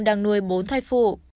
đang nuôi bốn thai phụ